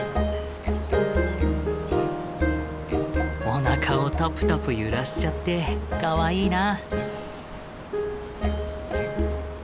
おなかをタプタプ揺らしちゃってかわいいな。